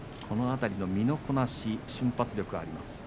この辺りの身のこなし瞬発力があります